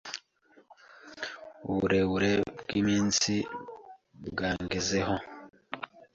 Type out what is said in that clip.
Uburebure bwiminsi, bwangezeho